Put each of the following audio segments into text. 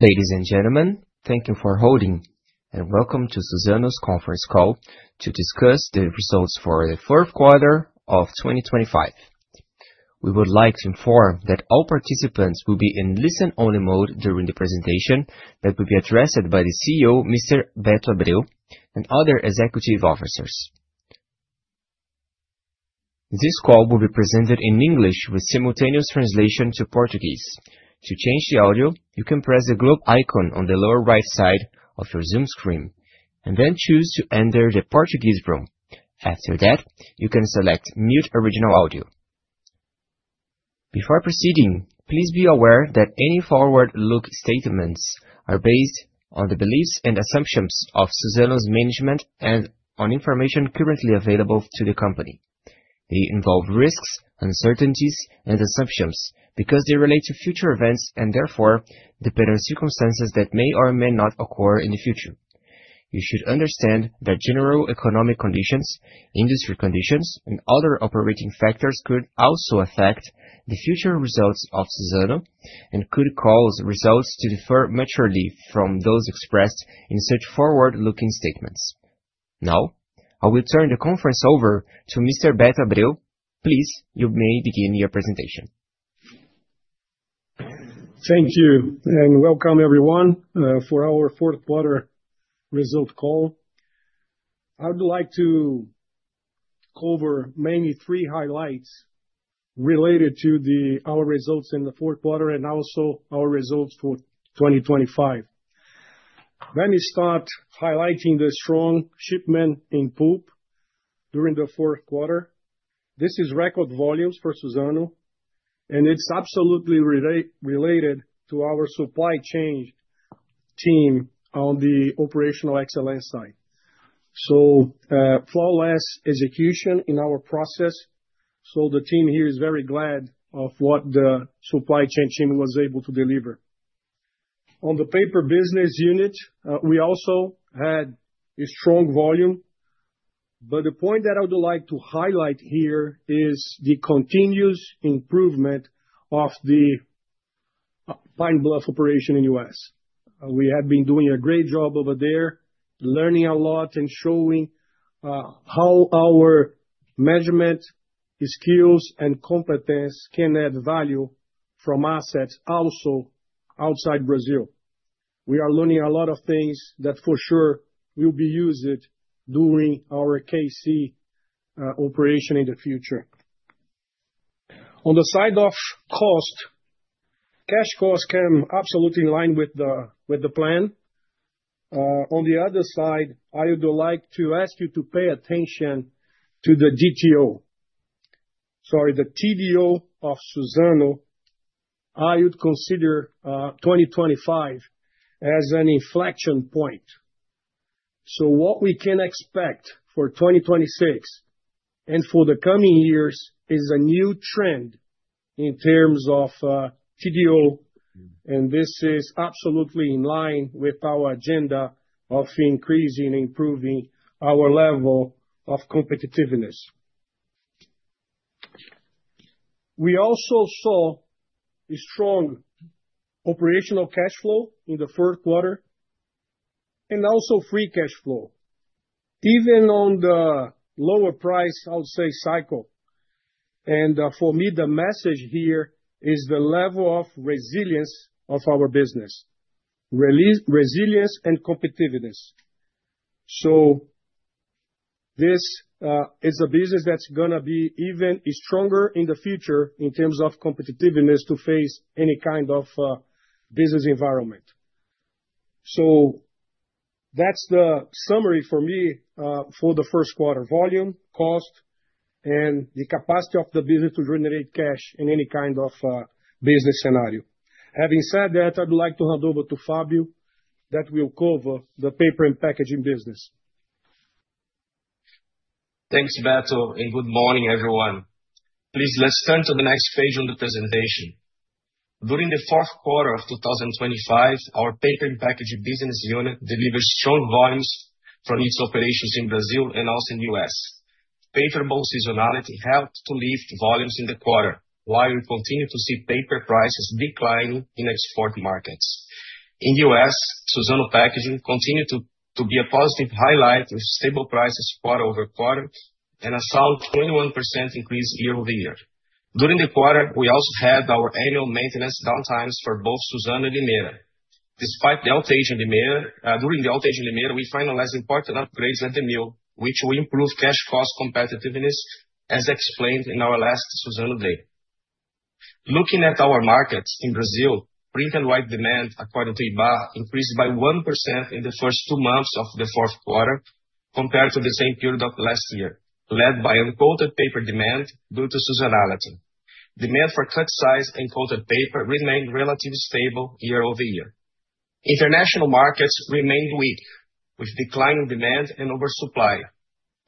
Ladies and gentlemen, thank you for holding, and welcome to Suzano's conference call to discuss the results for the Q4 of 2025. We would like to inform that all participants will be in listen-only mode during the presentation that will be addressed by the CEO, Mr. Beto Abreu, and other executive officers. This call will be presented in English with simultaneous translation to Portuguese. To change the audio, you can press the globe icon on the lower right side of your Zoom screen, and then choose to enter the Portuguese room. After that, you can select Mute Original Audio. Before proceeding, please be aware that any forward-looking statements are based on the beliefs and assumptions of Suzano's management and on information currently available to the company. They involve risks, uncertainties, and assumptions because they relate to future events and, therefore, depend on circumstances that may or may not occur in the future. You should understand that general economic conditions, industry conditions, and other operating factors could also affect the future results of Suzano and could cause results to differ materially from those expressed in such forward-looking statements. Now, I will turn the conference over to Mr. Beto Abreu. Please, you may begin your presentation. Thank you and welcome, everyone, for our Q4 results call. I would like to cover mainly three highlights related to our results in the Q4 and also our results for 2025. Let me start highlighting the strong shipment in pulp during the Q4. This is record volumes for Suzano, and it's absolutely related to our supply chain team on the operational excellence side. So, flawless execution in our process, so the team here is very glad of what the supply chain team was able to deliver. On the paper business unit, we also had a strong volume, but the point that I would like to highlight here is the continuous improvement of the Pine Bluff operation in the U.S. We have been doing a great job over there, learning a lot and showing how our measurement skills and competence can add value from assets also outside Brazil. We are learning a lot of things that for sure will be used during our KC operation in the future. On the side of cost, cash costs come absolutely in line with the plan. On the other side, I would like to ask you to pay attention to the DTO, sorry, the TDO of Suzano. I would consider 2025 as an inflection point. So what we can expect for 2026 and for the coming years is a new trend in terms of TDO, and this is absolutely in line with our agenda of increasing and improving our level of competitiveness. We also saw a strong operational cash flow in the Q4 and also free cash flow, even on the lower price, I would say, cycle. For me, the message here is the level of resilience of our business, resilience and competitiveness. So this is a business that's going to be even stronger in the future in terms of competitiveness to face any kind of business environment. So that's the summary for me for the Q1: volume, cost, and the capacity of the business to generate cash in any kind of business scenario. Having said that, I would like to hand over to Fabio that will cover the paper and packaging business. Thanks, Beto, and good morning, everyone. Please, let's turn to the next page on the presentation. During the Q4 of 2025, our paper and packaging business unit delivered strong volumes from its operations in Brazil and also in the U.S. Paperboard seasonality helped to lift volumes in the quarter while we continue to see paper prices declining in export markets. In the U.S., Suzano packaging continued to be a positive highlight with stable prices quarter-over-quarter and a solid 21% increase year-over-year. During the quarter, we also had our annual maintenance downtimes for both Suzano and Limeira. During the alteration in Limeira, we finalized important upgrades at the mill, which will improve cash cost competitiveness, as explained in our last Suzano Day. Looking at our markets in Brazil, print and write demand, according to Ibá, increased by 1% in the first two months of the Q4 compared to the same period of last year, led by uncoated paper demand due to seasonality. Demand for cut-size and coated paper remained relatively stable year-over-year. International markets remained weak, with declining demand and oversupply.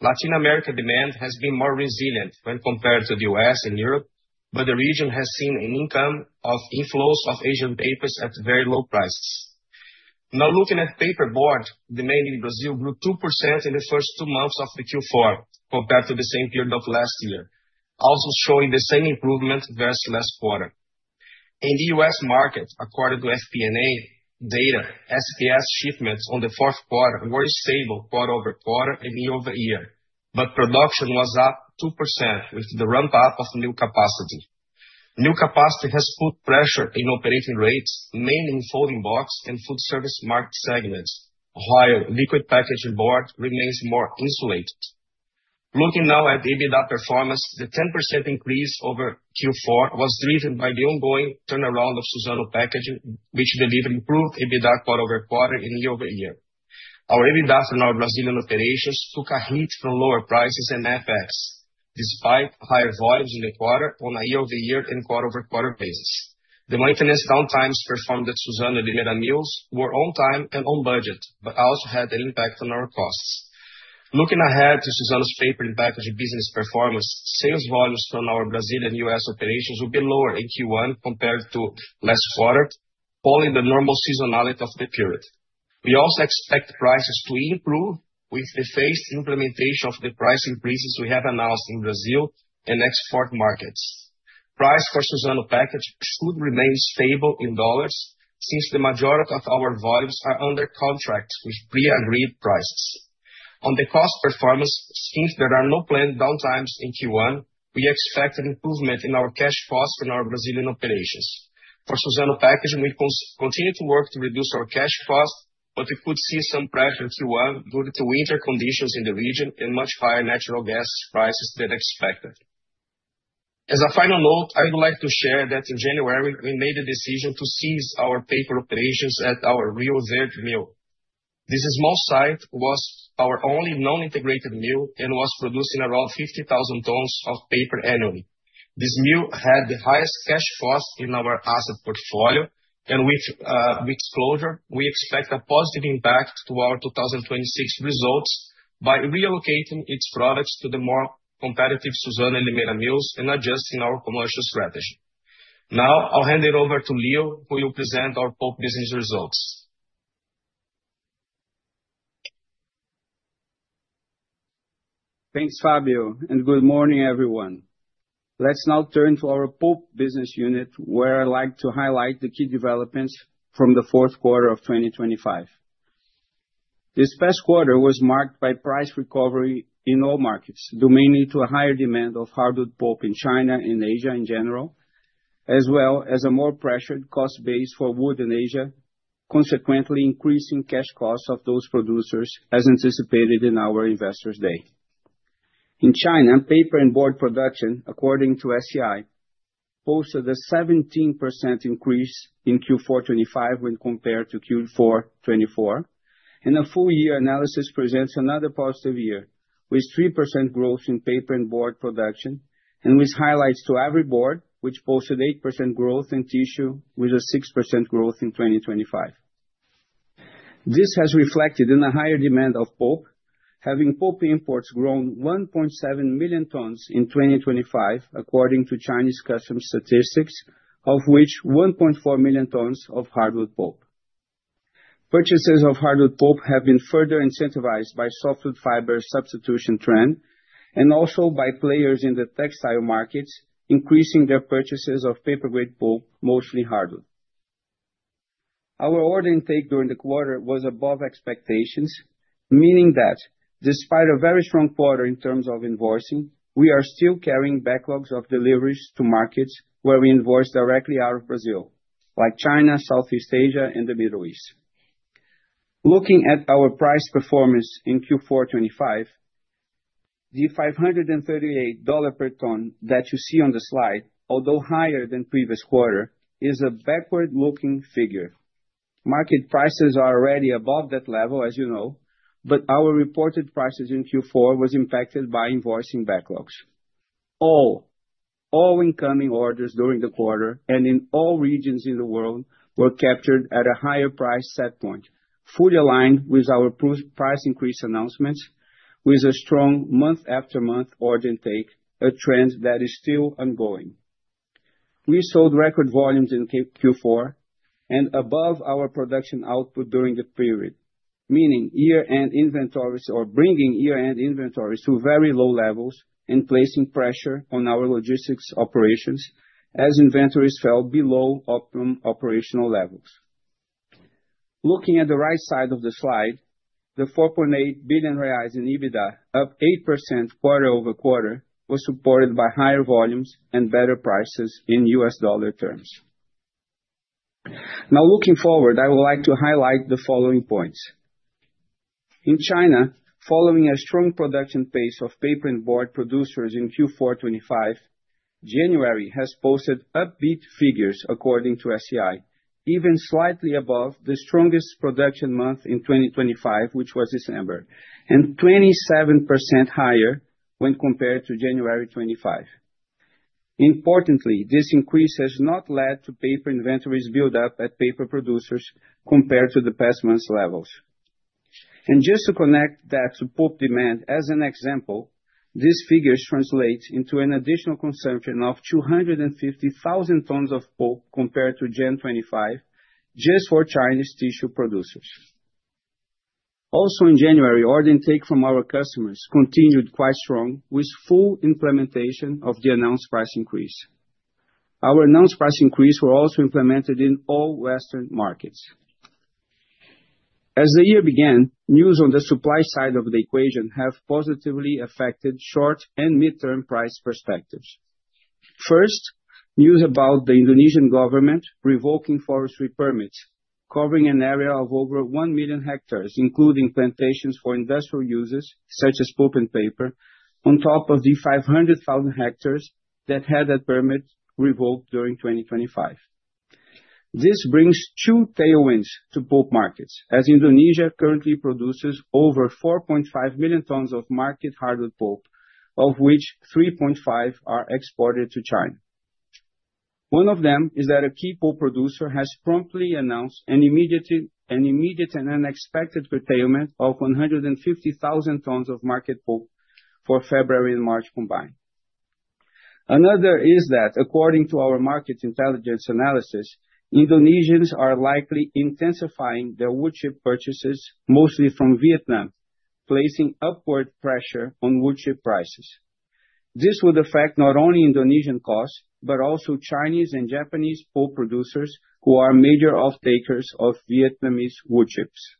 Latin America demand has been more resilient when compared to the US and Europe, but the region has seen an inflow of Asian papers at very low prices. Now, looking at paper board, demand in Brazil grew 2% in the first two months of the Q4 compared to the same period of last year, also showing the same improvement versus last quarter. In the US market, according to AF&PA data, SBS shipments in the Q4 were stable quarter-over-quarter and year-over-year, but production was up 2% with the ramp-up of new capacity. New capacity has put pressure in operating rates, mainly in folding box and food service market segments, while liquid packaging board remains more insulated. Looking now at EBITDA performance, the 10% increase over Q4 was driven by the ongoing turnaround of Suzano packaging, which delivered improved EBITDA quarter-over-quarter and year-over-year. Our EBITDA for our Brazilian operations took a hit from lower prices and FX, despite higher volumes in the quarter on a year-over-year and quarter-over-quarter basis. The maintenance downtimes performed at Suzano Limeira Mills were on time and on budget, but also had an impact on our costs. Looking ahead to Suzano's paper and packaging business performance, sales volumes from our Brazilian and US operations will be lower in Q1 compared to last quarter, following the normal seasonality of the period. We also expect prices to improve with the phased implementation of the price increases we have announced in Brazil and export markets. Prices for Suzano Packaging should remain stable in dollars since the majority of our volumes are under contract with pre-agreed prices. On the cost performance, since there are no planned downtimes in Q1, we expect an improvement in our cash costs from our Brazilian operations. For Suzano Packaging, we continue to work to reduce our cash costs, but we could see some pressure in Q1 due to winter conditions in the region and much higher natural gas prices than expected. As a final note, I would like to share that in January, we made the decision to cease our paper operations at our Rio Verde Mill. This small site was our only non-integrated mill and was producing around 50,000 tons of paper annually. This mill had the highest cash cost in our asset portfolio, and with exposure, we expect a positive impact to our 2026 results by relocating its products to the more competitive Suzano Limeira Mills and adjusting our commercial strategy. Now, I'll hand it over to Leo, who will present our pulp business results. Thanks, Fabio, and good morning, everyone. Let's now turn to our pulp business unit, where I'd like to highlight the key developments from the Q4 of 2025. This past quarter was marked by price recovery in all markets, amounting to a higher demand of hardwood pulp in China and Asia in general, as well as a more pressured cost base for wood in Asia, consequently increasing cash costs of those producers, as anticipated in our Investors' Day. In China, paper and board production, according to SCI, posted a 17% increase in Q4/2025 when compared to Q4/2024, and a full-year analysis presents another positive year with 3% growth in paper and board production, and with highlights to Ivory board, which posted 8% growth in tissue with a 6% growth in 2025. This has reflected in a higher demand of pulp, having pulp imports grown 1.7 million tons in 2025, according to Chinese customs statistics, of which 1.4 million tons of hardwood pulp. Purchases of hardwood pulp have been further incentivized by softwood fiber substitution trend and also by players in the textile markets increasing their purchases of paper-grade pulp, mostly hardwood. Our order intake during the quarter was above expectations, meaning that despite a very strong quarter in terms of invoicing, we are still carrying backlogs of deliveries to markets where we invoice directly out of Brazil, like China, Southeast Asia, and the Middle East. Looking at our price performance in Q4/25, the $538 per ton that you see on the slide, although higher than previous quarter, is a backward-looking figure. Market prices are already above that level, as you know, but our reported prices in Q4 were impacted by invoicing backlogs. All incoming orders during the quarter and in all regions in the world were captured at a higher price setpoint, fully aligned with our price increase announcements, with a strong month-after-month order intake, a trend that is still ongoing. We sold record volumes in Q4 and above our production output during the period, meaning year-end inventories or bringing year-end inventories to very low levels and placing pressure on our logistics operations as inventories fell below optimum operational levels. Looking at the right side of the slide, the $4.8 billion in EBITDA, up 8% quarter-over-quarter, was supported by higher volumes and better prices in US dollar terms. Now, looking forward, I would like to highlight the following points. In China, following a strong production pace of paper and board producers in Q4/25, January has posted upbeat figures, according to SCI, even slightly above the strongest production month in 2025, which was December, and 27% higher when compared to January 25. Importantly, this increase has not led to paper inventories buildup at paper producers compared to the past month's levels. And just to connect that to pulp demand, as an example, these figures translate into an additional consumption of 250,000 tons of pulp compared to Jan 25, just for Chinese tissue producers. Also, in January, order intake from our customers continued quite strong, with full implementation of the announced price increase. Our announced price increase was also implemented in all Western markets. As the year began, news on the supply side of the equation has positively affected short- and mid-term price perspectives. First, news about the Indonesian government revoking forestry permits, covering an area of over 1 million hectares, including plantations for industrial uses such as pulp and paper, on top of the 500,000 hectares that had that permit revoked during 2025. This brings two tailwinds to pulp markets, as Indonesia currently produces over 4.5 million tons of market hardwood pulp, of which 3.5 are exported to China. One of them is that a key pulp producer has promptly announced an immediate and unexpected curtailment of 150,000 tons of market pulp for February and March combined. Another is that, according to our market intelligence analysis, Indonesians are likely intensifying their woodchip purchases, mostly from Vietnam, placing upward pressure on woodchip prices. This would affect not only Indonesian costs but also Chinese and Japanese pulp producers, who are major offtakers of Vietnamese woodchips.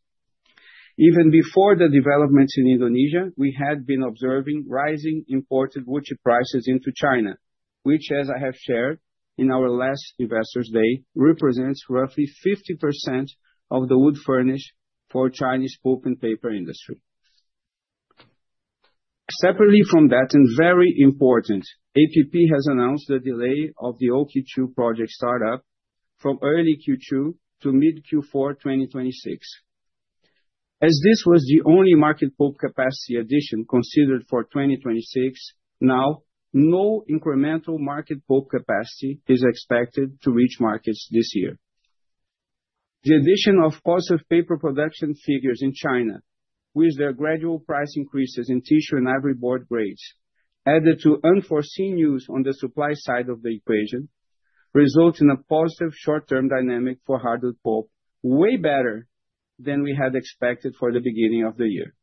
Even before the developments in Indonesia, we had been observing rising imported woodchips prices into China, which, as I have shared in our last investors' day, represents roughly 50% of the wood furnish for the Chinese pulp and paper industry. Separately from that, and very important, APP has announced the delay of the OKI project startup from early Q2 to mid-Q4/2026. As this was the only Market Pulp capacity addition considered for 2026, now no incremental Market Pulp capacity is expected to reach markets this year. The addition of positive paper production figures in China, with their gradual price increases in Tissue and Ivory Board grades, added to unforeseen news on the supply side of the equation, results in a positive short-term dynamic for Hardwood Pulp, way better than we had expected for the beginning of the year.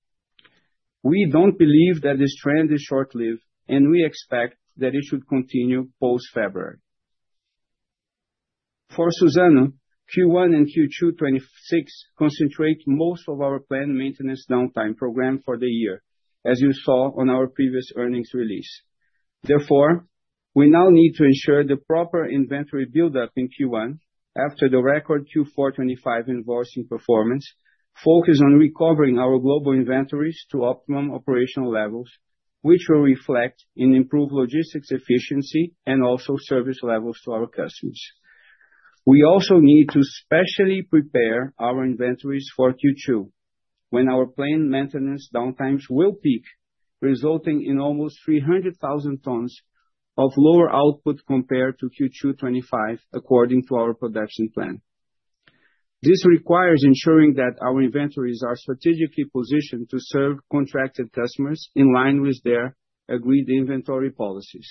We don't believe that this trend is short-lived, and we expect that it should continue post-February. For Suzano, Q1 and Q2/2026 concentrate most of our planned maintenance downtime program for the year, as you saw on our previous earnings release. Therefore, we now need to ensure the proper inventory buildup in Q1 after the record Q4/2025 invoicing performance, focus on recovering our global inventories to optimum operational levels, which will reflect in improved logistics efficiency and also service levels to our customers. We also need to specially prepare our inventories for Q2, when our planned maintenance downtimes will peak, resulting in almost 300,000 tons of lower output compared to Q2/2025, according to our production plan. This requires ensuring that our inventories are strategically positioned to serve contracted customers in line with their agreed inventory policies.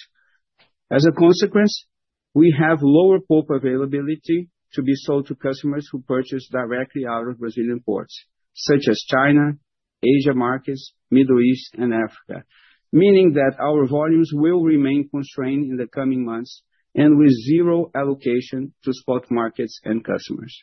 As a consequence, we have lower pulp availability to be sold to customers who purchase directly out of Brazilian ports, such as China, Asia markets, Middle East, and Africa, meaning that our volumes will remain constrained in the coming months and with zero allocation to spot markets and customers.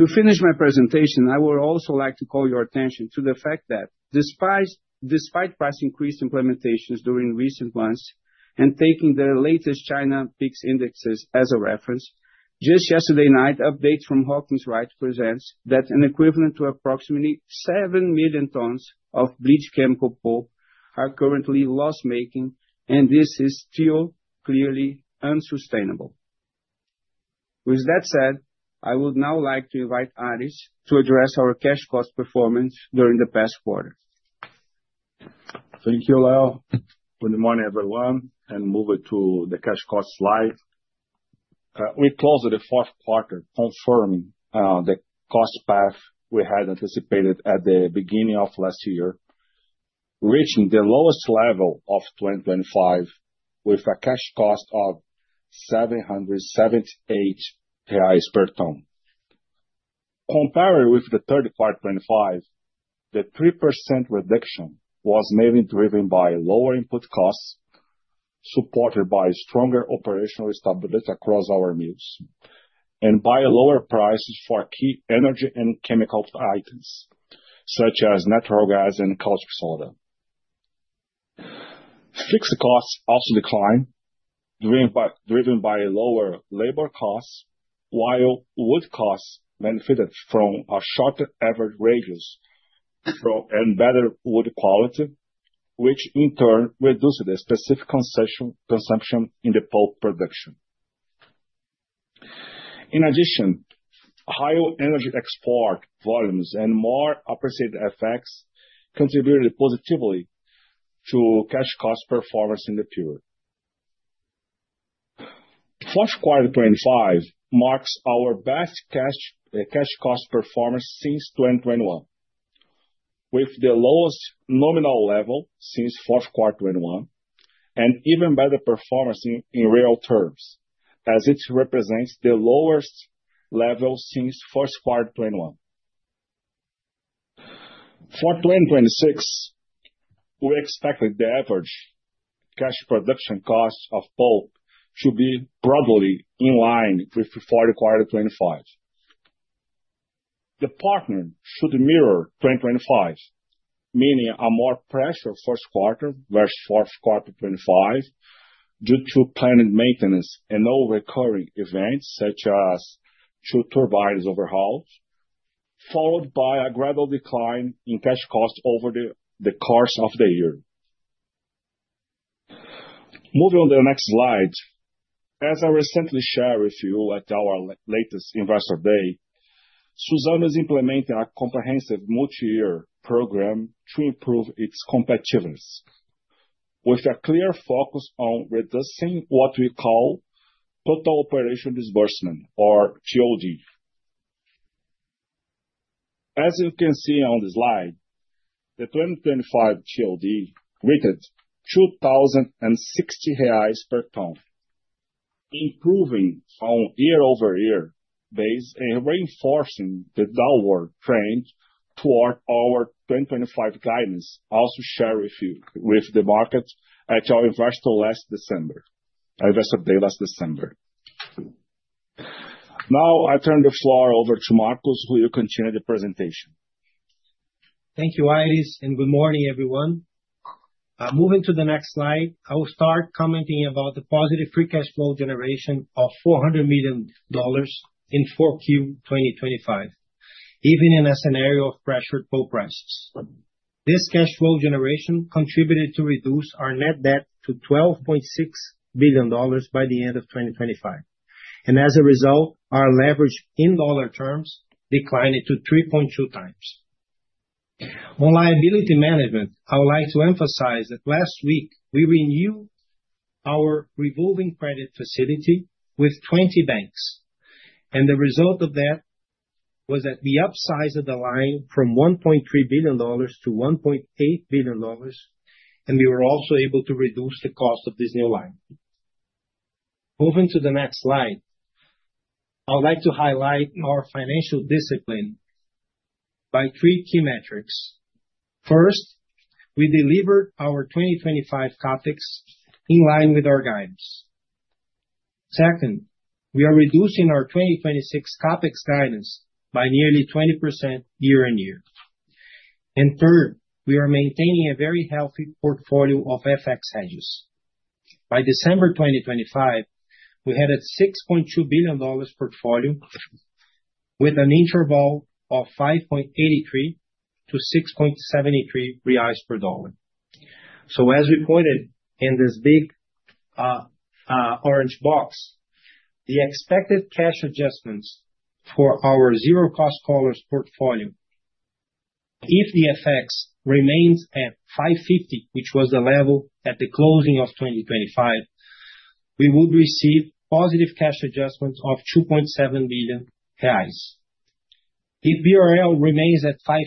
To finish my presentation, I would also like to call your attention to the fact that despite price increase implementations during recent months and taking the latest China peaks indexes as a reference, just yesterday night, updates from Hawkins Wright present that an equivalent to approximately seven million tons of bleached chemical pulp are currently loss-making, and this is still clearly unsustainable. With that said, I would now like to invite Aires to address our cash cost performance during the past quarter. Thank you, Leo. Good morning, everyone, and move it to the cash cost slide. We closed the Q4, confirming the cost path we had anticipated at the beginning of last year, reaching the lowest level of 2025 with a cash cost of 778 reais per ton. Compared with the Q3 of 2025, the 3% reduction was mainly driven by lower input costs supported by stronger operational stability across our mills and by lower prices for key energy and chemical items such as natural gas and caustic soda. Fixed costs also declined, driven by lower labor costs, while wood costs benefited from a shorter average radius and better wood quality, which in turn reduced the specific consumption in the pulp production. In addition, higher energy export volumes and more appreciated effects contributed positively to cash cost performance in the period. Q4 of 2025 marks our best cash cost performance since 2021, with the lowest nominal level since Q4 of 2021 and even better performance in real terms, as it represents the lowest level since Q1 of 2021. For 2026, we expect that the average cash production cost of pulp should be broadly in line with Q4 of 2025. The partner should mirror 2025, meaning a more pressure Q1 versus Q4 of 2025 due to planned maintenance and no recurring events such as two turbines overhauls, followed by a gradual decline in cash cost over the course of the year. Moving on to the next slide, as I recently shared with you at our latest investors' day, Suzano is implementing a comprehensive multi-year program to improve its competitiveness, with a clear focus on reducing what we call total operational disbursement, or guidance. As you can see on the slide, the 2025 guidance rated 2,060 reais per ton, improving from year-over-year base and reinforcing the downward trend toward our 2025 guidance I also shared with you with the market at our investor's day last December. Now, I turn the floor over to Marcos, who will continue the presentation. Thank you, Aires, and good morning, everyone. Moving to the next slide, I will start commenting about the positive free cash flow generation of $400 million in 4Q2025, even in a scenario of pressured pulp prices. This cash flow generation contributed to reduce our net debt to $12.6 billion by the end of 2025, and as a result, our leverage in dollar terms declined to 3.2 times. On liability management, I would like to emphasize that last week we renewed our revolving credit facility with 20 banks, and the result of that was that we upsized the line from $1.3 billion to $1.8 billion, and we were also able to reduce the cost of this new line. Moving to the next slide, I would like to highlight our financial discipline by three key metrics. First, we delivered our 2025 CAPEX in line with our guidance. Second, we are reducing our 2026 CAPEX guidance by nearly 20% year-on-year. Third, we are maintaining a very healthy portfolio of FX hedges. By December 2025, we had a $6.2 billion portfolio with an interval of 5.83-6.73 reais per dollar. So, as we pointed in this big orange box, the expected cash adjustments for our zero-cost collars portfolio, if the FX remains at 5.50, which was the level at the closing of 2025, we would receive positive cash adjustments of 2.7 billion reais. If BRL remains at 5.20,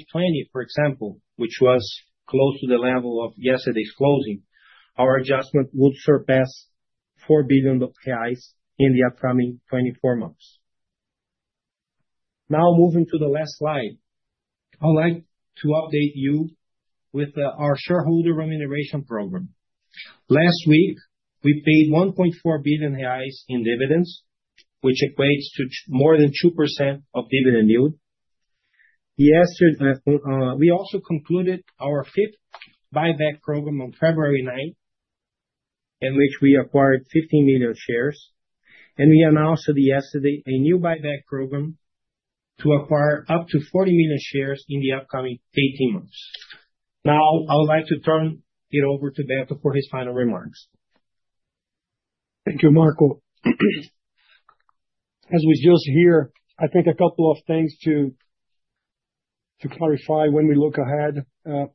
for example, which was close to the level of yesterday's closing, our adjustment would surpass 4 billion in the upcoming 24 months. Now, moving to the last slide, I would like to update you with our shareholder remuneration program. Last week, we paid 1.4 billion reais in dividends, which equates to more than 2% of dividend yield. Yesterday, we also concluded our fifth buyback program on February 9th, in which we acquired 15 million shares, and we announced yesterday a new buyback program to acquire up to 40 million shares in the upcoming 18 months. Now, I would like to turn it over to Beto for his final remarks. Thank you, Marcos. As we just hear, I think a couple of things to clarify when we look ahead.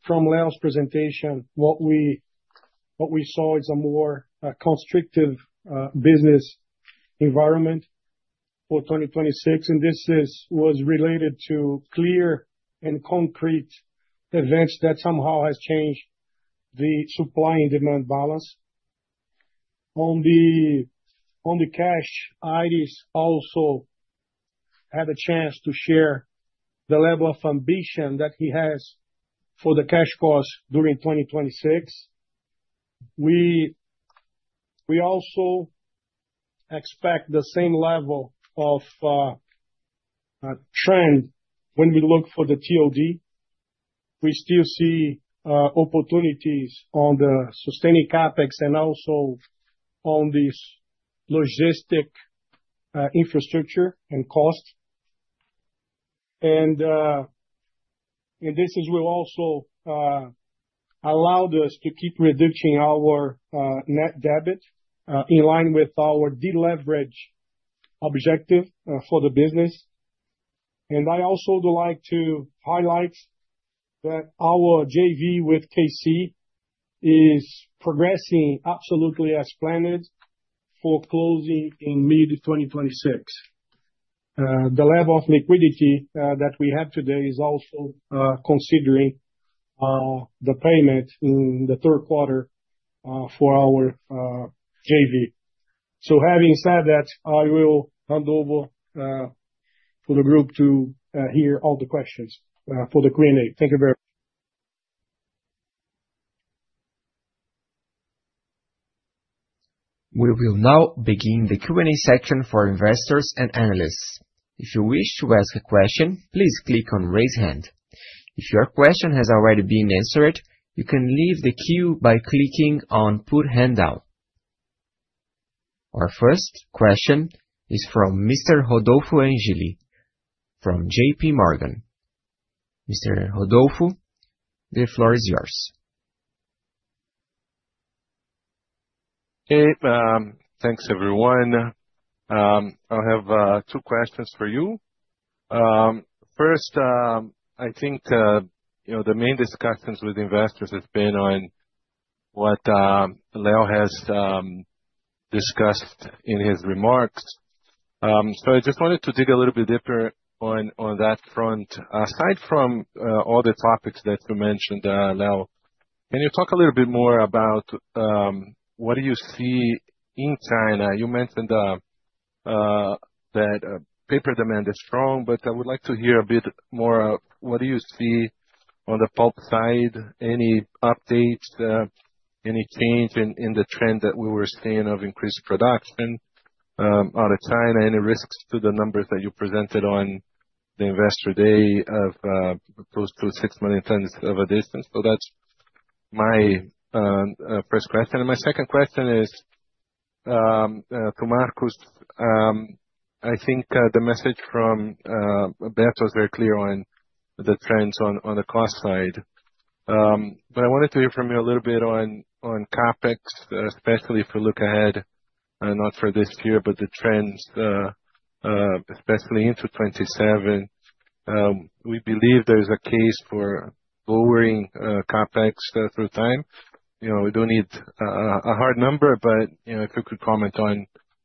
From Leo's presentation, what we saw is a more constrictive business environment for 2026, and this was related to clear and concrete events that somehow have changed the supply and demand balance. On the cash, Aires also had a chance to share the level of ambition that he has for the cash costs during 2026. We also expect the same level of trend when we look for the guidance. We still see opportunities on the sustaining CAPEX and also on this logistics infrastructure and cost. And this will also allow us to keep reducing our net debt in line with our deleveraged objective for the business. I also would like to highlight that our JV with KC is progressing absolutely as planned for closing in mid-2026. The level of liquidity that we have today is also considering the payment in the Q3 for our JV. So, having said that, I will hand over for the group to hear all the questions for the Q&A. Thank you very much. We will now begin the Q&A section for investors and analysts. If you wish to ask a question, please click on "Raise Hand." If your question has already been answered, you can leave the cue by clicking on "Put Handout." Our first question is from Mr. Rodolfo Angeli, from J.P. Morgan. Mr. Rodolfo, the floor is yours. Hey. Thanks, everyone. I have two questions for you. First, I think the main discussions with investors have been on what Leo has discussed in his remarks. So, I just wanted to dig a little bit deeper on that front. Aside from all the topics that you mentioned, Leo, can you talk a little bit more about what do you see in China? You mentioned that paper demand is strong, but I would like to hear a bit more of what do you see on the pulp side, any updates, any change in the trend that we were seeing of increased production out of China, any risks to the numbers that you presented on the investor day of close to 6 million tons of a distance? So, that's my first question. And my second question is to Marcos. I think the message from Beto was very clear on the trends on the cost side. But I wanted to hear from you a little bit on CAPEX, especially if we look ahead, not for this year, but the trends, especially into 2027. We believe there's a case for lowering CAPEX through time. We don't need a hard number, but if you could comment on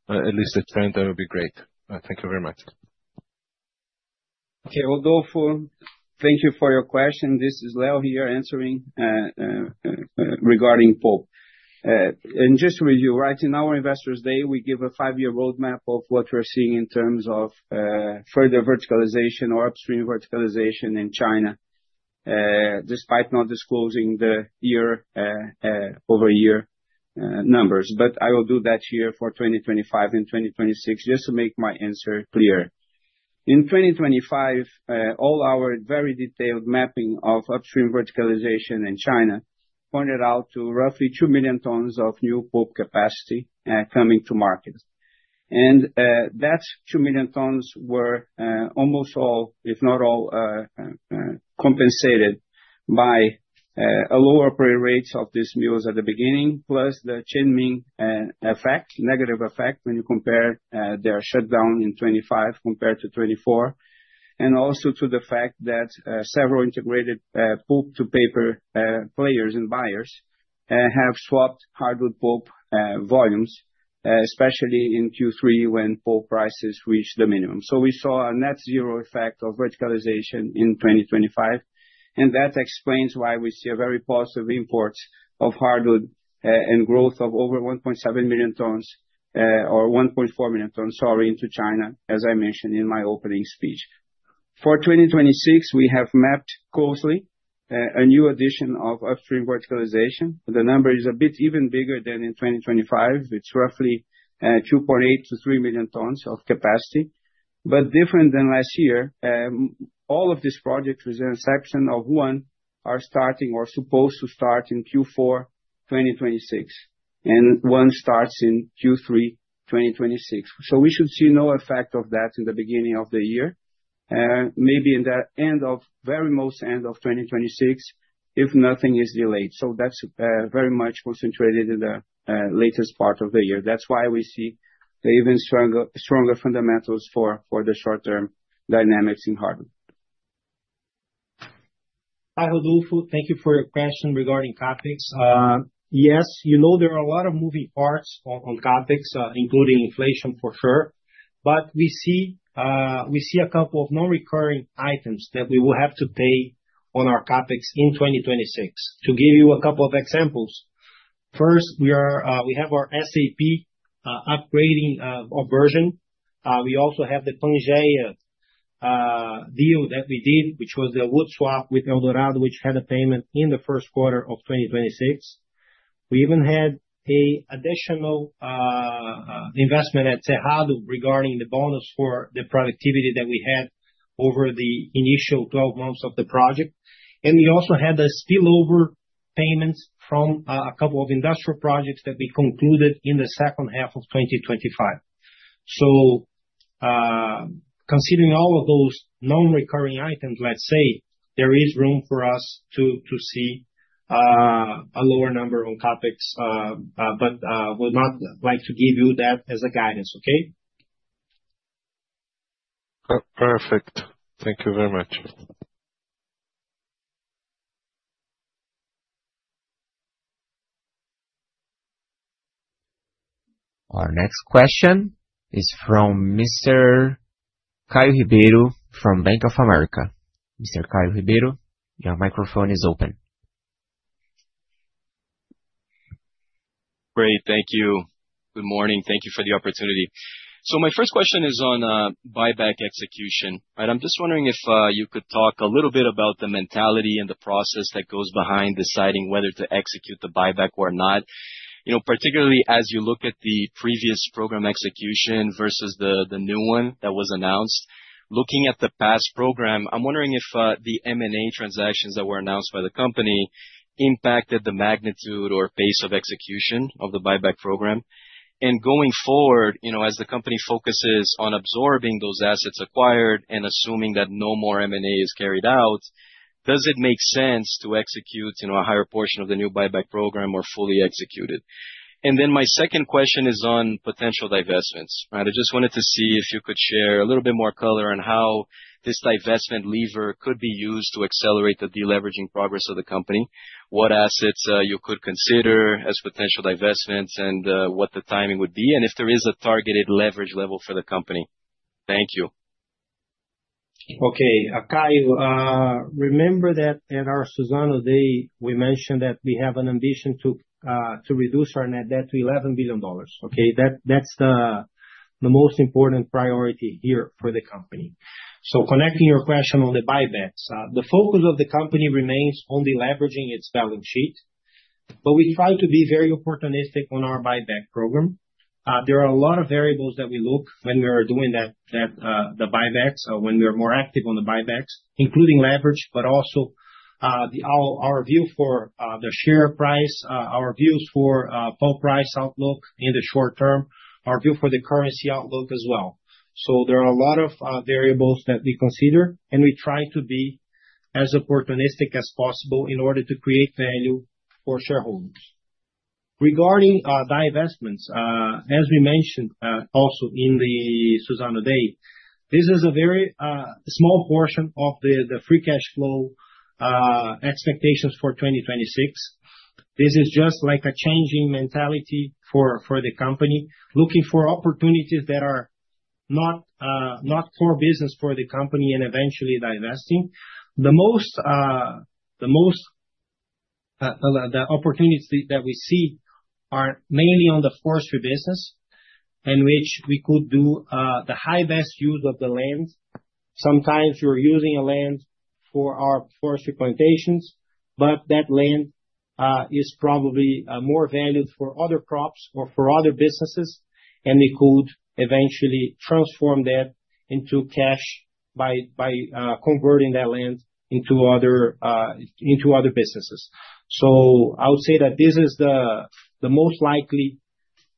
at least the trend, that would be great. Thank you very much. Okay. Rodolfo, thank you for your question. This is Leo here answering regarding pulp. Just to review, right, in our Investors' Day, we give a five-year roadmap of what we're seeing in terms of further verticalization or upstream verticalization in China, despite not disclosing the year-over-year numbers. I will do that here for 2025 and 2026 just to make my answer clear. In 2025, all our very detailed mapping of upstream verticalization in China pointed out to roughly 2 million tons of new pulp capacity coming to market. And that 2 million tons were almost all, if not all, compensated by a lower operating rate of these mills at the beginning, plus the Chenming effect, negative effect when you compare their shutdown in 2025 compared to 2024, and also to the fact that several integrated pulp-to-paper players and buyers have swapped hardwood pulp volumes, especially in Q3 when pulp prices reached the minimum. So, we saw a net zero effect of verticalization in 2025, and that explains why we see a very positive import of hardwood and growth of over 1.7 million tons or 1.4 million tons, sorry, into China, as I mentioned in my opening speech. For 2026, we have mapped closely a new addition of upstream verticalization. The number is a bit even bigger than in 2025. It's roughly 2.8-3 million tons of capacity. But different than last year, all of these projects, within a section of one, are starting or supposed to start in Q4 2026, and one starts in Q3 2026. So, we should see no effect of that in the beginning of the year, maybe in the very most end of 2026, if nothing is delayed. So, that's very much concentrated in the latest part of the year. That's why we see even stronger fundamentals for the short-term dynamics in hardwood. Hi, Rodolfo. Thank you for your question regarding CAPEX. Yes, you know there are a lot of moving parts on CAPEX, including inflation, for sure. But we see a couple of non-recurring items that we will have to pay on our CAPEX in 2026. To give you a couple of examples, first, we have our SAP upgrading version. We also have the Parkia Deal that we did, which was the wood swap with Eldorado, which had a payment in the Q1 of 2026. We even had an additional investment at Cerrado regarding the bonus for the productivity that we had over the initial 12 months of the project. We also had the spillover payments from a couple of industrial projects that we concluded in the second half of 2025. So, considering all of those non-recurring items, let's say, there is room for us to see a lower number on CAPEX, but would not like to give you that as a guidance, okay? Perfect. Thank you very much. Our next question is from Mr. Caio Ribeiro from Bank of America. Mr. Caio Ribeiro, your microphone is open. Great. Thank you. Good morning. Thank you for the opportunity. So, my first question is on buyback execution, right? I'm just wondering if you could talk a little bit about the mentality and the process that goes behind deciding whether to execute the buyback or not, particularly as you look at the previous program execution versus the new one that was announced. Looking at the past program, I'm wondering if the M&A transactions that were announced by the company impacted the magnitude or pace of execution of the buyback program. And going forward, as the company focuses on absorbing those assets acquired and assuming that no more M&A is carried out, does it make sense to execute a higher portion of the new buyback program or fully execute it? And then my second question is on potential divestments, right? I just wanted to see if you could share a little bit more color on how this divestment lever could be used to accelerate the deleveraging progress of the company, what assets you could consider as potential divestments, and what the timing would be, and if there is a targeted leverage level for the company. Thank you. Okay. Caio, remember that at our Suzano day, we mentioned that we have an ambition to reduce our net debt to $11 billion, okay? That's the most important priority here for the company. So, connecting your question on the buybacks, the focus of the company remains on the leveraging its balance sheet, but we try to be very opportunistic on our buyback program. There are a lot of variables that we look when we are doing the buybacks, when we are more active on the buybacks, including leverage, but also our view for the share price, our views for pulp price outlook in the short term, our view for the currency outlook as well. So, there are a lot of variables that we consider, and we try to be as opportunistic as possible in order to create value for shareholders. Regarding divestments, as we mentioned also in the Suzano Day, this is a very small portion of the free cash flow expectations for 2026. This is just like a changing mentality for the company, looking for opportunities that are not core business for the company and eventually divesting. The most opportunities that we see are mainly on the forestry business, in which we could do the high best use of the land. Sometimes we're using a land for our forestry plantations, but that land is probably more valued for other crops or for other businesses, and we could eventually transform that into cash by converting that land into other businesses. So, I would say that this is the most likely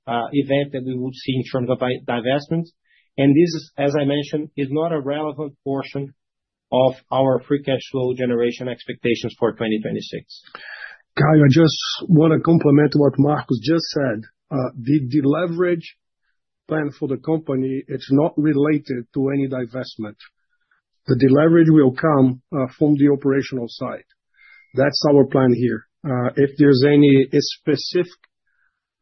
event that we would see in terms of divestment. And this, as I mentioned, is not a relevant portion of our free cash flow generation expectations for 2026. Caio, I just want to complement what Marcos just said. The deleverage plan for the company, it's not related to any divestment. The deleverage will come from the operational side. That's our plan here. If there's any specific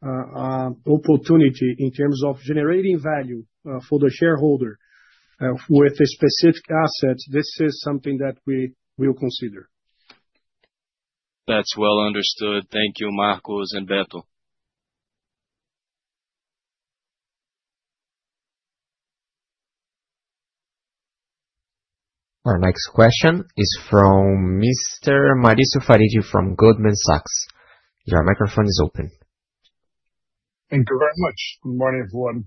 opportunity in terms of generating value for the shareholder with specific assets, this is something that we will consider. That's well understood. Thank you, Marcos and Beto. Our next question is from Mr. Márcio Farid from Goldman Sachs. Your microphone is open. Thank you very much. Good morning, everyone.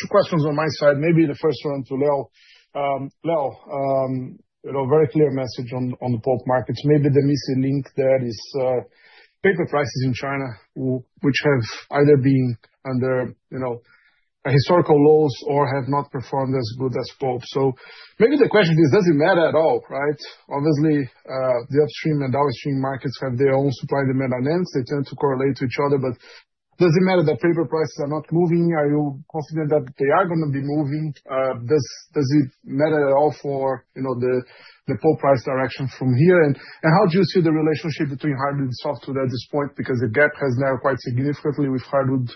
Two questions on my side. Maybe the first one to Leo. Leo, very clear message on the pulp markets. Maybe the missing link there is paper prices in China, which have either been under historical lows or have not performed as good as pulp. So, maybe the question is, does it matter at all, right? Obviously, the upstream and downstream markets have their own supply and demand dynamics. They tend to correlate to each other. But does it matter that paper prices are not moving? Are you confident that they are going to be moving? Does it matter at all for the pulp price direction from here? And how do you see the relationship between hardwood and softwood at this point? Because the gap has narrowed quite significantly, with hardwood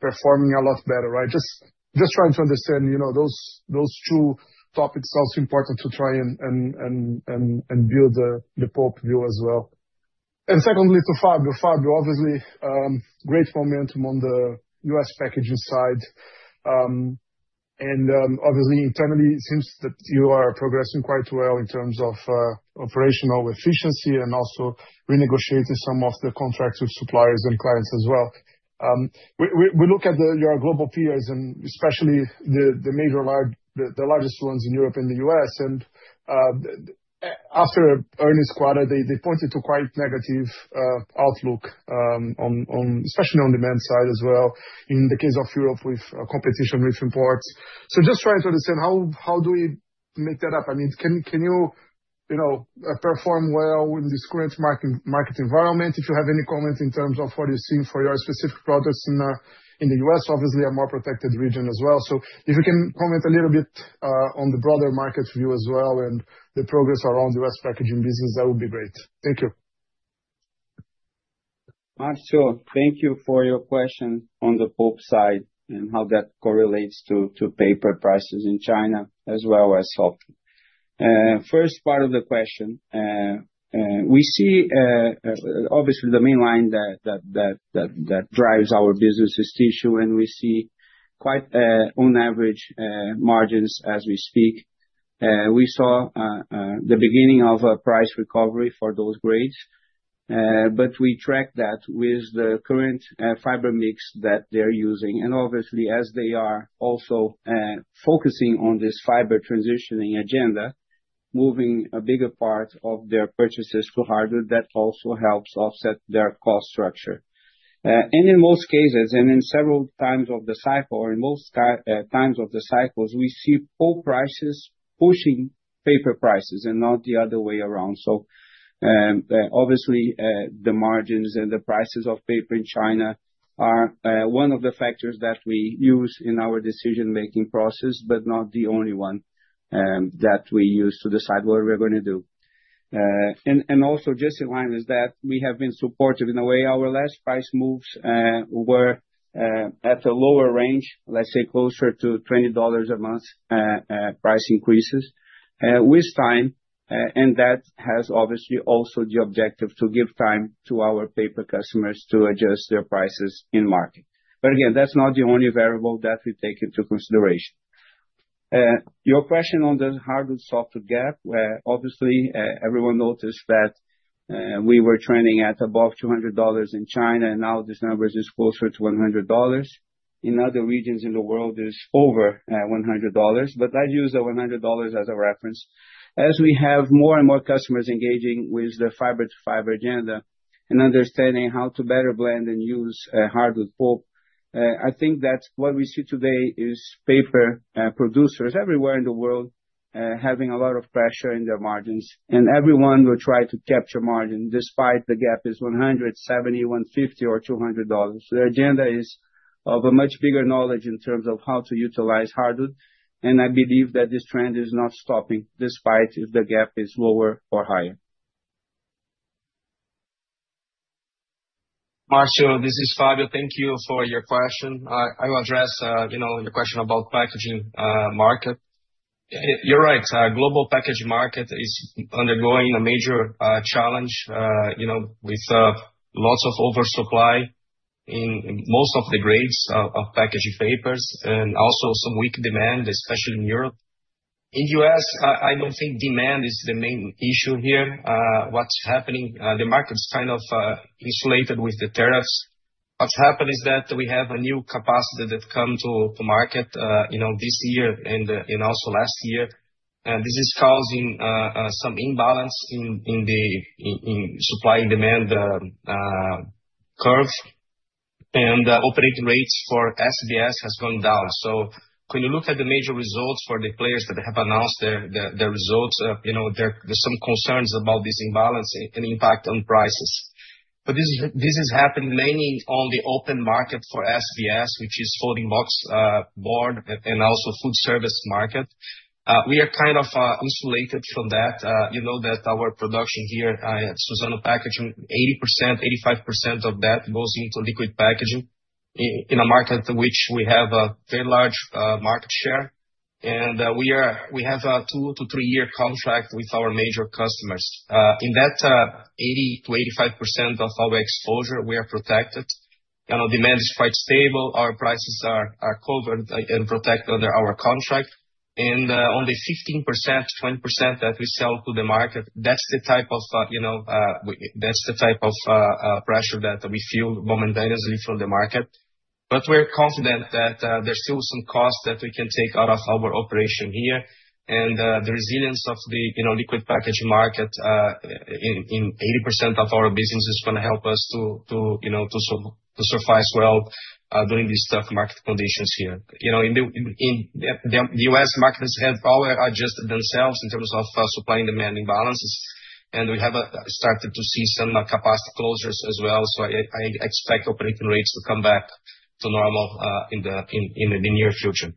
performing a lot better, right? Just trying to understand those two topics, also important to try and build the pulp view as well. And secondly to Fabio. Fabio, obviously, great momentum on the U.S. packaging side. And obviously, internally, it seems that you are progressing quite well in terms of operational efficiency and also renegotiating some of the contracts with suppliers and clients as well. We look at your global peers, and especially the largest ones in Europe and the U.S. And after earnings quarter, they pointed to quite negative outlook, especially on demand side as well, in the case of Europe with competition with imports. So, just trying to understand, how do we make that up? I mean, can you perform well in this current market environment? If you have any comment in terms of what you're seeing for your specific products in the U.S., obviously, a more protected region as well. So, if you can comment a little bit on the broader market view as well and the progress around U.S. packaging business, that would be great. Thank you. Marco, thank you for your question. On the pulp side and how that correlates to paper prices in China as well as softwood. First part of the question, we see, obviously, the main line that drives our business is tissue, and we see quite on average margins as we speak. We saw the beginning of a price recovery for those grades, but we tracked that with the current fiber mix that they're using. And obviously, as they are also focusing on this fiber transitioning agenda, moving a bigger part of their purchases to hardwood, that also helps offset their cost structure. And in most cases, and in several times of the cycle, or in most times of the cycles, we see pulp prices pushing paper prices and not the other way around. So, obviously, the margins and the prices of paper in China are one of the factors that we use in our decision-making process, but not the only one that we use to decide what we're going to do. And also, just in line with that, we have been supportive in a way. Our last price moves were at a lower range, let's say closer to $20 a month price increases with time. And that has obviously also the objective to give time to our paper customers to adjust their prices in market. But again, that's not the only variable that we take into consideration. Your question on the hardwood-softwood gap, obviously, everyone noticed that we were trending at above $200 in China, and now this number is closer to $100. In other regions in the world, it's over $100, but I use the $100 as a reference. As we have more and more customers engaging with the fiber-to-fiber agenda and understanding how to better blend and use hardwood pulp, I think that what we see today is paper producers everywhere in the world having a lot of pressure in their margins. Everyone will try to capture margin despite the gap is $100, $70, $150, or $200. Their agenda is of a much bigger knowledge in terms of how to utilize hardwood. I believe that this trend is not stopping despite if the gap is lower or higher. Marcos, this is Fabio. Thank you for your question. I will address your question about packaging market. You're right. Global packaging market is undergoing a major challenge with lots of oversupply in most of the grades of packaging papers and also some weak demand, especially in Europe. In the U.S., I don't think demand is the main issue here. What's happening, the market's kind of insulated with the tariffs. What's happened is that we have a new capacity that come to market this year and also last year. This is causing some imbalance in the supply and demand curve. Operating rates for SBS have gone down. When you look at the major results for the players that have announced their results, there's some concerns about this imbalance and impact on prices. This is happening mainly on the open market for SBS, which is Folding Box Board and also food service market. We are kind of insulated from that. You know that our production here at Suzano Packaging, 80%-85% of that goes into liquid packaging in a market which we have a very large market share. We have a 2-3-year contract with our major customers. In that 80%-85% of our exposure, we are protected. Demand is quite stable. Our prices are covered and protected under our contract. On the 15%-20% that we sell to the market, that's the type of pressure that we feel momentarily from the market. But we're confident that there's still some cost that we can take out of our operation here. The resilience of the liquid packaging market in 80% of our business is going to help us to survive well during these tough market conditions here. The U.S. markets have always adjusted themselves in terms of supply and demand imbalances. We have started to see some capacity closures as well. I expect operating rates to come back to normal in the near future.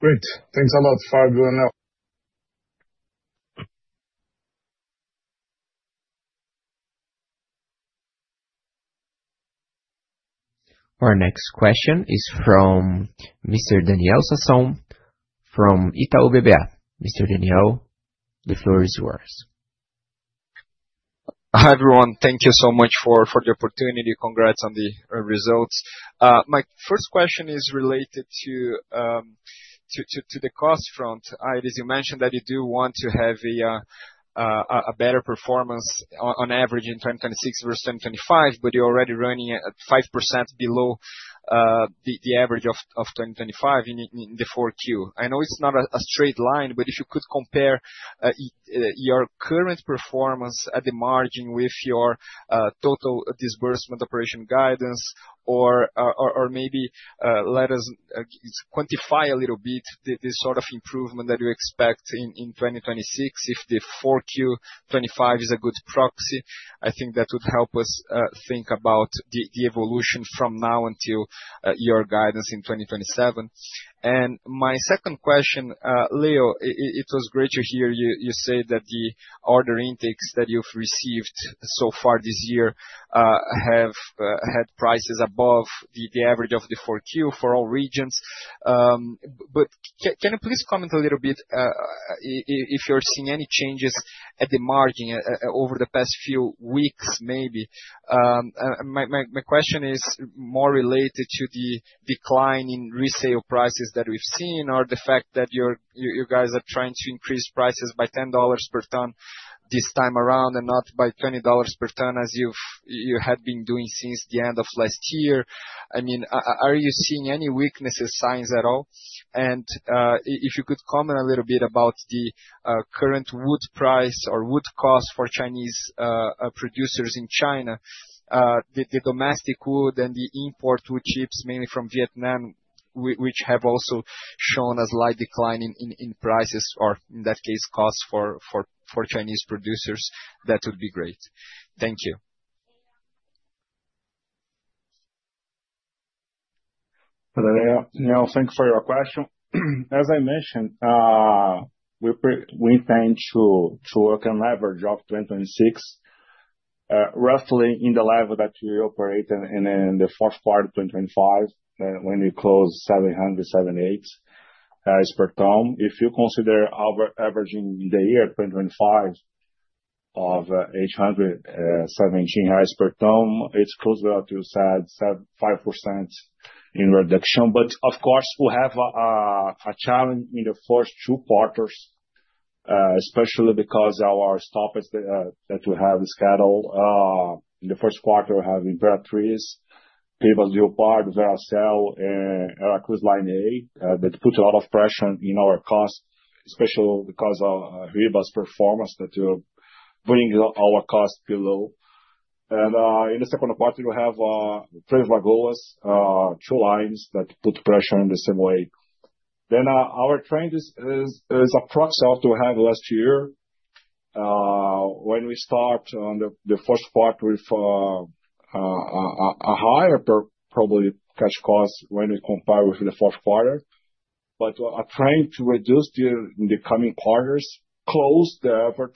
Great. Thanks a lot, Fabio and Leo. Our next question is from Mr. Daniel Sasson from Itaú BBA. Mr. Daniel, the floor is yours. Hi, everyone. Thank you so much for the opportunity. Congrats on the results. My first question is related to the cost front. As you mentioned, that you do want to have a better performance on average in 2026 versus 2025, but you're already running at 5% below the average of 2025 in the 4Q. I know it's not a straight line, but if you could compare your current performance at the margin with your total operational disbursement guidance, or maybe let us quantify a little bit this sort of improvement that you expect in 2026 if the 4Q25 is a good proxy, I think that would help us think about the evolution from now until your guidance in 2027. My second question, Leo, it was great to hear you say that the order intakes that you've received so far this year have had prices above the average of the 4Q for all regions. But can you please comment a little bit if you're seeing any changes at the margin over the past few weeks, maybe? My question is more related to the decline in resale prices that we've seen or the fact that you guys are trying to increase prices by $10 per ton this time around and not by $20 per ton as you had been doing since the end of last year. I mean, are you seeing any weaknesses, signs at all? If you could comment a little bit about the current wood price or wood cost for Chinese producers in China, the domestic wood and the import wood chips, mainly from Vietnam, which have also shown a slight decline in prices or, in that case, costs for Chinese producers, that would be great. Thank you. Hello there, Neil. Thank you for your question. As I mentioned, we intend to work an average of 2026 roughly in the level that we operate in the Q4 of 2025 when we close 700-708 hours per ton. If you consider averaging in the year 2025 of 817 hours per ton, it's closer to, as you said, 5% in reduction. But of course, we have a challenge in the first two quarters, especially because our stock that we have is scheduled. In the Q1, we have Imperatriz, Mucuri, Veracell, and Aracruz Line A that put a lot of pressure in our costs, especially because of Ribas do Rio Pardo's performance that we're bringing our costs below. In the Q2, we have Três Lagoas, two lines that put pressure in the same way. Then our trend is a proxy of what we have last year when we start on the Q1 with a higher, probably, cash cost when we compare with the Q4. But a trend to reduce in the coming quarters. Close the effort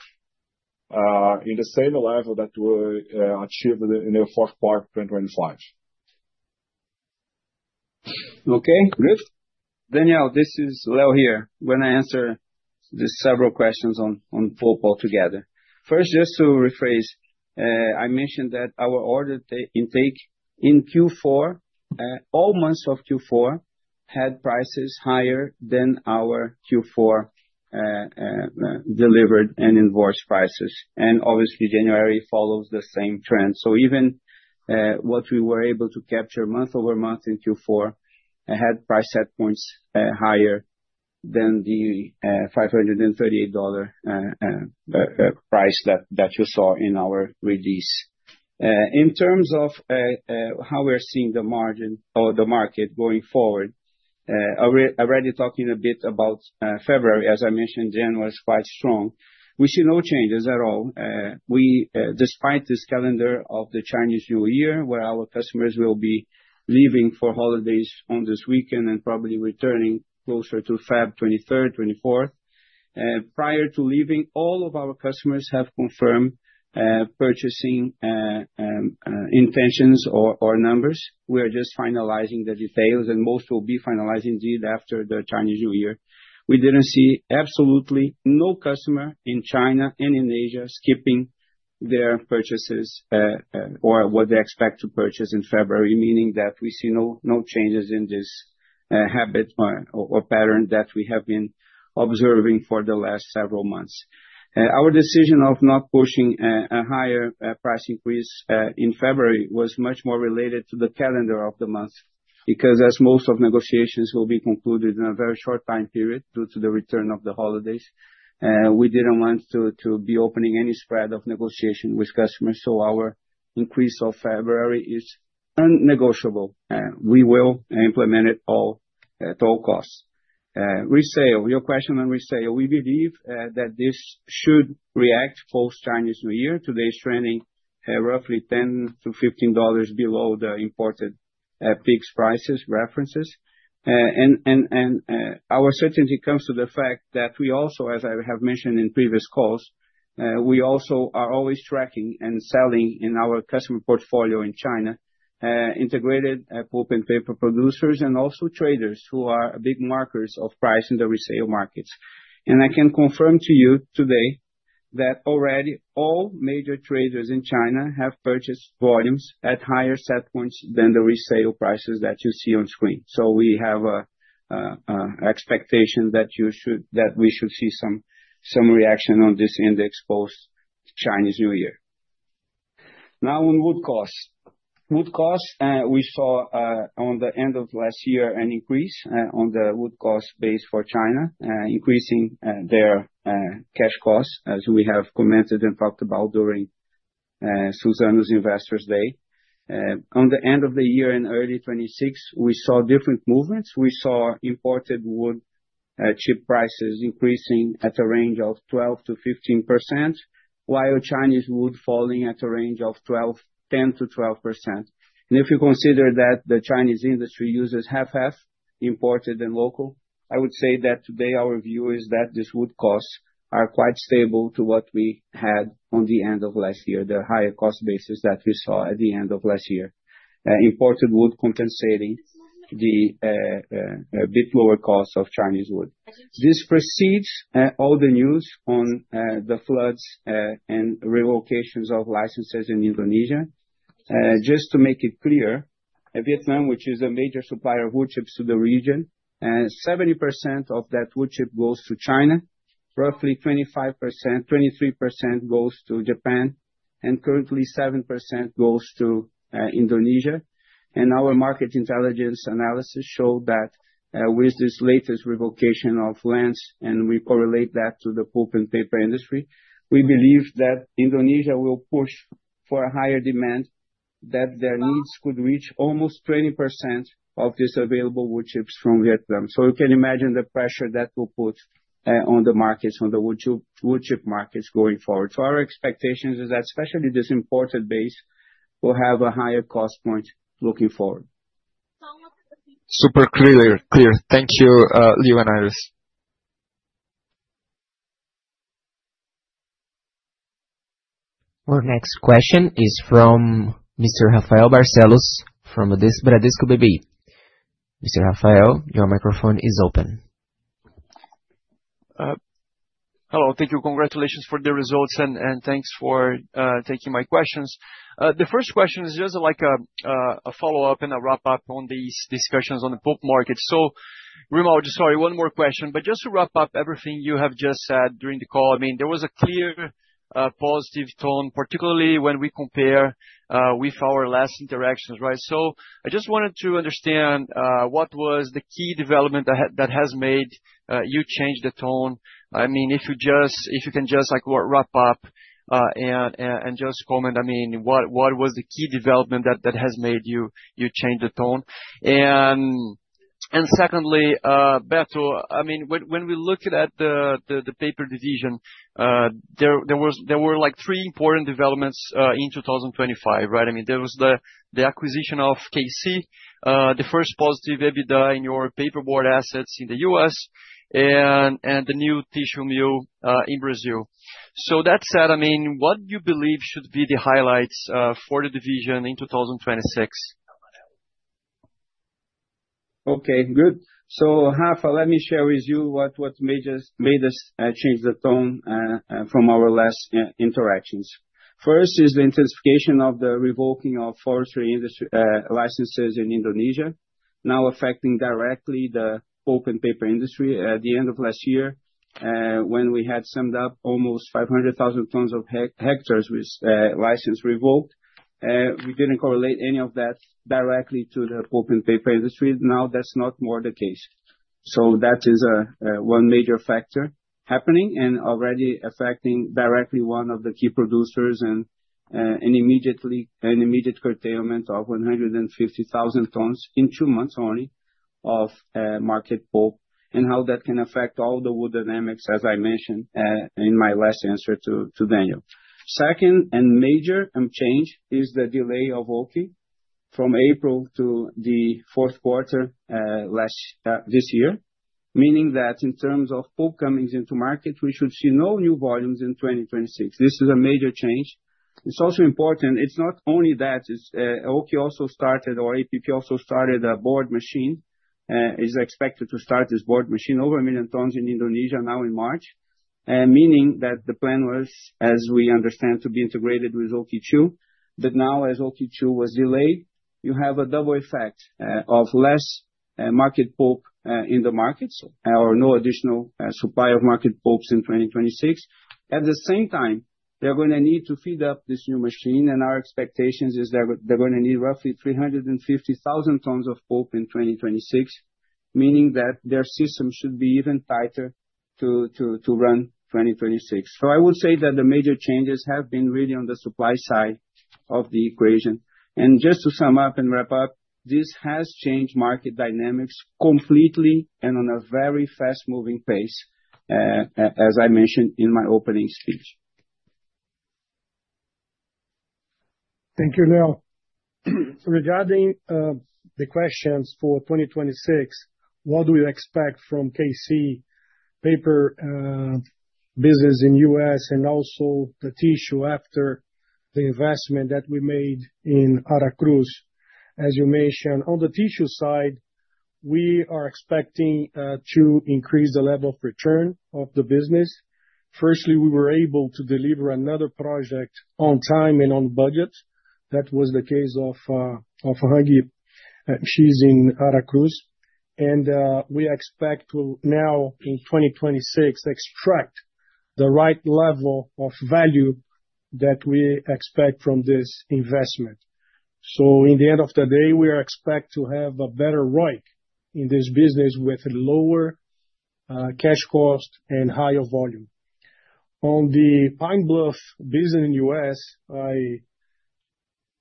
in the same level that we achieved in the Q4 of 2025. Okay. Good. Danielle, this is Leo here. We're going to answer several questions on pulp altogether. First, just to rephrase, I mentioned that our order intake in Q4, all months of Q4, had prices higher than our Q4 delivered and invoiced prices. And obviously, January follows the same trend. So even what we were able to capture month-over-month in Q4 had price set points higher than the $538 price that you saw in our release. In terms of how we're seeing the margin or the market going forward, already talking a bit about February, as I mentioned, January was quite strong. We see no changes at all. Despite this calendar of the Chinese New Year where our customers will be leaving for holidays on this weekend and probably returning closer to February 23rd, 24th, prior to leaving, all of our customers have confirmed purchasing intentions or numbers. We are just finalizing the details, and most will be finalized indeed after the Chinese New Year. We didn't see absolutely no customer in China and in Asia skipping their purchases or what they expect to purchase in February, meaning that we see no changes in this habit or pattern that we have been observing for the last several months. Our decision of not pushing a higher price increase in February was much more related to the calendar of the month because, as most of negotiations will be concluded in a very short time period due to the return of the holidays, we didn't want to be opening any spread of negotiation with customers. So our increase of February is unnegotiable. We will implement it at all costs. Resale, your question on resale, we believe that this should react post-Chinese New Year. Today is trending roughly $10-$15 below the imported PIX prices references. Our certainty comes to the fact that we also, as I have mentioned in previous calls, we also are always tracking and selling in our customer portfolio in China integrated pulp and paper producers and also traders who are big markers of price in the resale markets. I can confirm to you today that already all major traders in China have purchased volumes at higher set points than the resale prices that you see on screen. We have an expectation that we should see some reaction on this index post-Chinese New Year. Now on wood costs. Wood costs, we saw on the end of last year an increase on the wood cost base for China, increasing their cash costs, as we have commented and talked about during Suzano's Investors Day. On the end of the year in early 2026, we saw different movements. We saw imported woodchip prices increasing at a range of 12%-15% while Chinese wood falling at a range of 10%-12%. And if you consider that the Chinese industry uses 50/50, imported and local, I would say that today our view is that these wood costs are quite stable to what we had on the end of last year, the higher cost basis that we saw at the end of last year, imported wood compensating the bit lower cost of Chinese wood. This precedes all the news on the floods and relocations of licenses in Indonesia. Just to make it clear, Vietnam, which is a major supplier of wood chips to the region, 70% of that wood chip goes to China, roughly 23% goes to Japan, and currently, 7% goes to Indonesia. Our market intelligence analysis showed that with this latest revocation of lands, and we correlate that to the pulp and paper industry, we believe that Indonesia will push for a higher demand, that their needs could reach almost 20% of these available wood chips from Vietnam. You can imagine the pressure that will put on the wood chip markets going forward. Our expectations is that especially this imported base will have a higher cost point looking forward. Super clear. Thank you, Leo and Aires. Our next question is from Mr. Rafael Barcellos from Bradesco BBI. Mr. Rafael, your microphone is open. Hello. Thank you. Congratulations for the results, and thanks for taking my questions. The first question is just like a follow-up and a wrap-up on these discussions on the pulp market. So Grimaldi, sorry, one more question. But just to wrap up everything you have just said during the call, I mean, there was a clear positive tone, particularly when we compare with our last interactions, right? So I just wanted to understand what was the key development that has made you change the tone. I mean, if you can just wrap up and just comment, I mean, what was the key development that has made you change the tone? And secondly, Beto, I mean, when we looked at the paper division, there were three important developments in 2025, right? I mean, there was the acquisition of KC, the first positive EBITDA in your paperboard assets in the U.S., and the new tissue mill in Brazil. So that said, I mean, what do you believe should be the highlights for the division in 2026? Okay. Good. So Rafa, let me share with you what made us change the tone from our last interactions. First is the intensification of the revoking of forestry industry licenses in Indonesia, now affecting directly the pulp and paper industry. At the end of last year, when we had summed up almost 500,000 hectares with license revoked, we didn't correlate any of that directly to the pulp and paper industry. Now that's not more the case. So that is one major factor happening and already affecting directly one of the key producers and an immediate curtailment of 150,000 tons in two months only of market pulp and how that can affect all the wood dynamics, as I mentioned in my last answer to Daniel. Second and major change is the delay of OKI from April to the Q4 this year, meaning that in terms of pulp coming into market, we should see no new volumes in 2026. This is a major change. It's also important. It's not only that. OKI also started or APP also started a board machine. It's expected to start this board machine, over 1 million tons in Indonesia now in March, meaning that the plan was, as we understand, to be integrated with OKI 2. But now, as OKI 2 was delayed, you have a double effect of less market pulp in the markets or no additional supply of market pulps in 2026. At the same time, they're going to need to feed up this new machine. And our expectations is they're going to need roughly 350,000 tons of pulp in 2026, meaning that their system should be even tighter to run 2026. So I would say that the major changes have been really on the supply side of the equation. And just to sum up and wrap up, this has changed market dynamics completely and on a very fast-moving pace, as I mentioned in my opening speech. Thank you, Leo. Regarding the questions for 2026, what do you expect from KC paper business in the U.S. and also the tissue after the investment that we made in Aracruz? As you mentioned, on the tissue side, we are expecting to increase the level of return of the business. Firstly, we were able to deliver another project on time and on budget. That was the case of Hygiene. She's in Aracruz. We expect now in 2026 to extract the right level of value that we expect from this investment. So in the end of the day, we expect to have a better ROIC in this business with lower cash cost and higher volume. On the Pine Bluff business in the U.S.,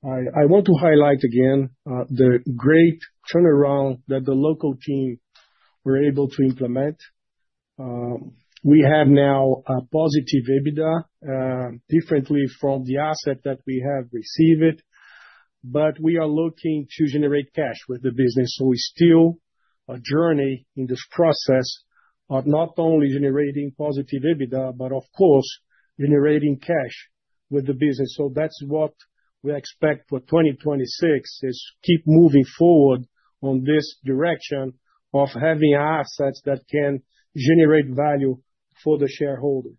I want to highlight again the great turnaround that the local team were able to implement. We have now a positive EBITDA, differently from the asset that we have received it. But we are looking to generate cash with the business. So we're still on a journey in this process of not only generating positive EBITDA but, of course, generating cash with the business. So that's what we expect for 2026, is keep moving forward on this direction of having assets that can generate value for the shareholder.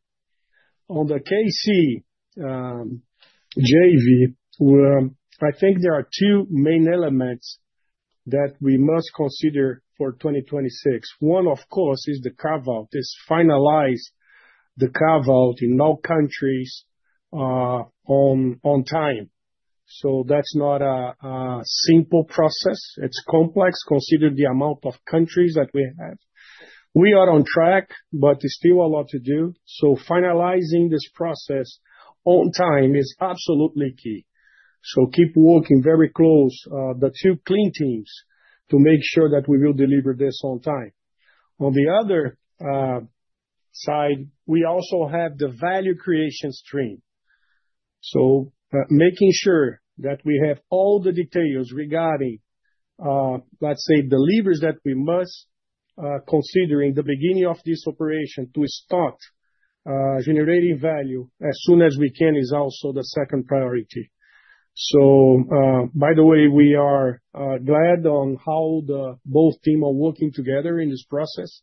On the KC JV, I think there are two main elements that we must consider for 2026. One, of course, is the carve-out: finalize the carve-out in all countries on time. So that's not a simple process. It's complex, considering the amount of countries that we have. We are on track, but there's still a lot to do. So finalizing this process on time is absolutely key. So keep working very close, the two clean teams, to make sure that we will deliver this on time. On the other side, we also have the value creation stream. So making sure that we have all the details regarding, let's say, deliveries that we must consider in the beginning of this operation to start generating value as soon as we can is also the second priority. So by the way, we are glad on how both teams are working together in this process.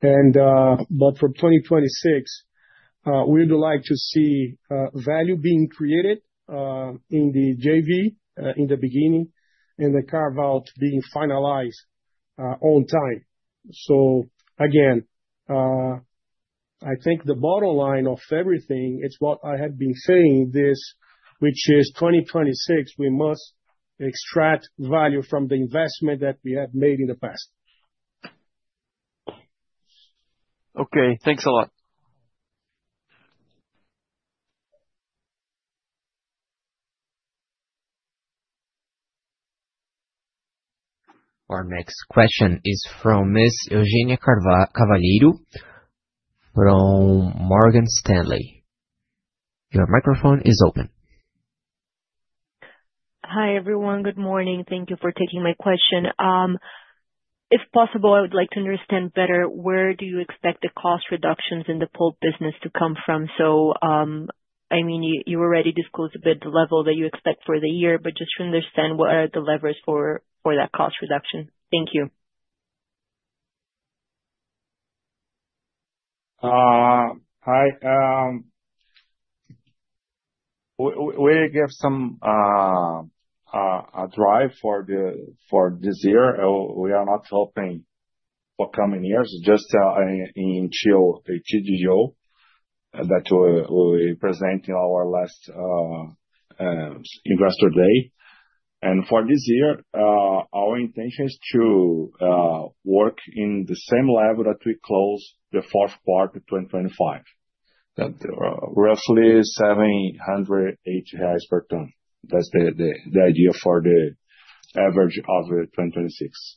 But for 2026, we would like to see value being created in the JV in the beginning and the carve-out being finalized on time. So again, I think the bottom line of everything, it's what I have been saying this, which is 2026, we must extract value from the investment that we have made in the past. Okay. Thanks a lot. Our next question is from Ms. Eugênia Cavalheiro, from Morgan Stanley. Your microphone is open. Hi, everyone. Good morning. Thank you for taking my question. If possible, I would like to understand better where do you expect the cost reductions in the pulp business to come from? So I mean, you already disclosed a bit the level that you expect for the year, but just to understand, what are the levers for that cost reduction? Thank you. Hi. We gave some drive for this year. We are not hoping for coming years. Just in guidance that we presented in our last Investor Day. For this year, our intention is to work in the same level that we closed the Q4 2025, roughly 780 reais per ton. That's the idea for the average of 2026.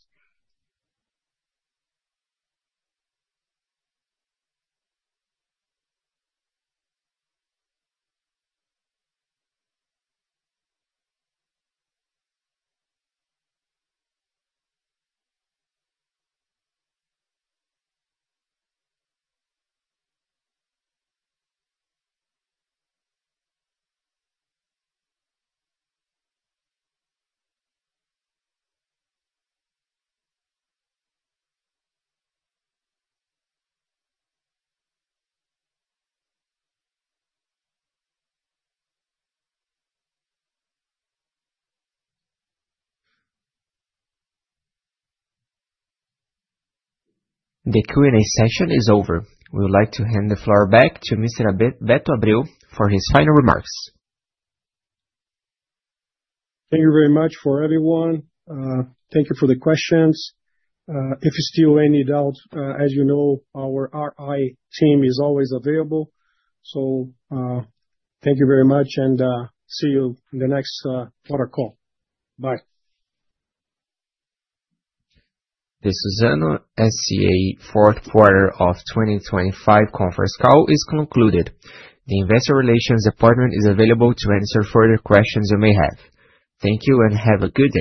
The Q&A session is over. We would like to hand the floor back to Mr. Beto Abreu for his final remarks. Thank you very much for everyone. Thank you for the questions. If you still have any doubts, as you know, our IR team is always available. So thank you very much, and see you in the next quarterly call. Bye. The Suzano S.A. Q4 of 2025 conference call is concluded. The investor relations department is available to answer further questions you may have. Thank you, and have a good day.